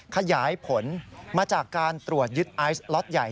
ขยายผลมาจากการตรวจยึดไอซ์ล็อตใหญ่